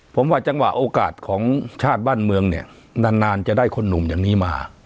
ผมว่าจังหวะโอกาสของชาติบ้านเมืองเนี่ยนานจะได้คนหนุ่มอย่างนี้มา